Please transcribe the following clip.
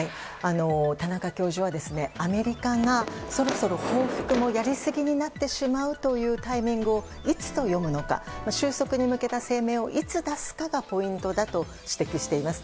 田中教授はアメリカがそろそろ報復もやりすぎになってしまうというタイミングをいつと読むのか収束に向けた声明をいつ出すかがポイントだと指摘しています。